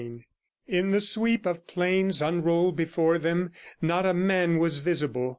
In the sweep of plains unrolled before them, not a man was visible.